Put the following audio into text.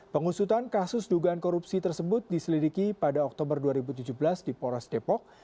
pengusutan kasus dugaan korupsi tersebut diselidiki pada oktober dua ribu tujuh belas di polres depok